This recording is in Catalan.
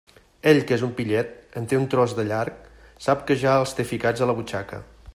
Ell, que és un pillet —en té un tros de llarg—, sap que ja els té ficats a la butxaca.